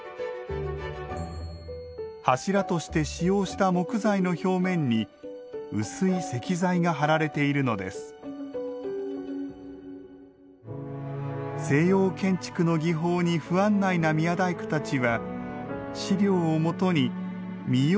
柱として使用した木材の表面に薄い石材が貼られているのです西洋建築の技法に不案内な宮大工たちは資料を基に見よう